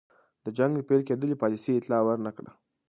د جنګ د پیل کېدلو پالیسۍ اطلاع ور نه کړه.